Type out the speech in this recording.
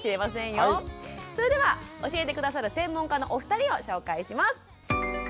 それでは教えて下さる専門家のお二人を紹介します。